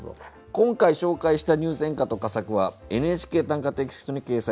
今回紹介した入選歌と佳作は「ＮＨＫ短歌」テキストに掲載されます。